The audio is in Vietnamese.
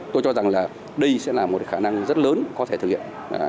tôi cho rằng là đây sẽ là một khả năng rất lớn có thể thực hiện